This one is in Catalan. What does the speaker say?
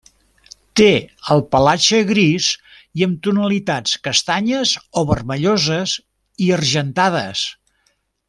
Té el pelatge gris i amb tonalitats castanyes o vermelloses i argentades.